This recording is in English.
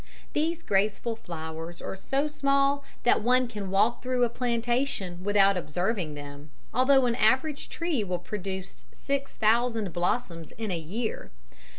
These graceful flowers are so small that one can walk through a plantation without observing them, although an average tree will produce six thousand blossoms in a year.